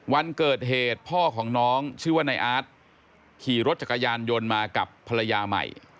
วันเกิดเหตุพ่อของน้องชื่อว่านายอาร์ตขี่รถจักรยานยนต์มากับภรรยาใหม่